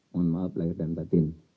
mohon maaf lahir dan batin